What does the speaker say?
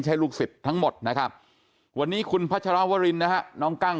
ใช่ลูกศิษย์ทั้งหมดนะครับวันนี้คุณพัชรวรินนะฮะน้องกั้ง